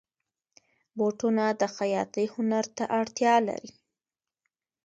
بوټونه د خیاطۍ هنر ته اړتیا لري.